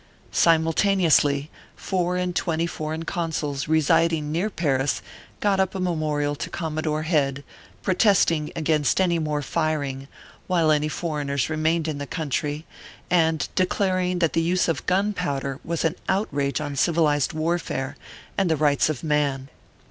Simultaneously, four and twenty foreign Consuls residing near Paris got up a memorial to Commodore Head, protesting against any more firing while any foreigners remained in the country, and declaring that the use of gunpowder was an outrage on civil ized warfare and the rights of man.